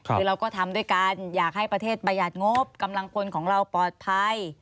คือเราก็ทำด้วยกันอยากให้ประเทศประหยัดงบกำลังพลของเราปลอดภัย